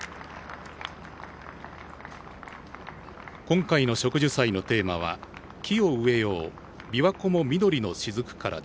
今回の植樹祭のテーマは「木を植えようびわ湖も緑のしずくから」です。